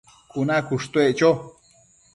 cuna cushtuec cho